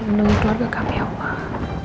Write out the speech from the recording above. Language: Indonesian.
lindungi keluarga kami ya allah